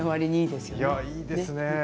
いやいいですね。